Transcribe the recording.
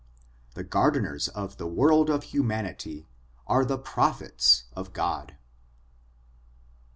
The gardeners of the world of humanity are the Prophets of God.